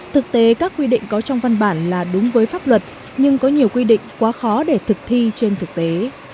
thực tế các quy định có trong văn bản là đúng với pháp luật nhưng có nhiều quy định quá khó để thực thi trên thực tế